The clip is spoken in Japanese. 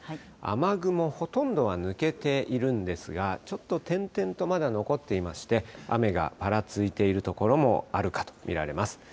雨雲、ほとんどは抜けているんですが、ちょっと点々とまだ残っていまして、雨がぱらついている所もあるかと見られます。